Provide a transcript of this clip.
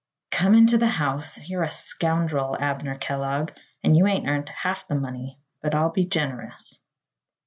"Come into the house. You're a scoundrel, Abner Kellogg, and you ain't earned half the money; but I'll be generous."